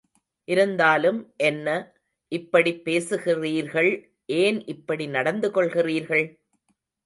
இருந்தாலும், என்ன இப்படிப் பேசுகிறீர்கள் ஏன் இப்படி நடந்து கொள்கிறீர்கள்?